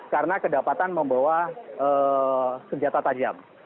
karena kedapatan membawa senjata tajam